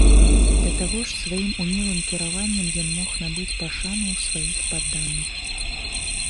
Да таго ж сваім умелым кіраваннем ён мог набыць пашану ў сваіх падданых.